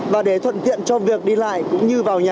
và để thuận tiện cho việc đi lại cũng như vào nhà